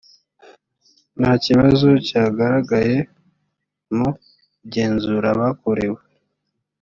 nta kibazo cyagaragaye mu igenzura bakorewe .